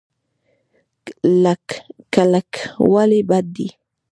کلکوالی بد دی.